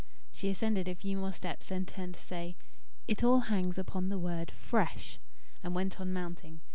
She ascended a few more steps, then turned to say: "It all hangs upon the word FRESH," and went on mounting.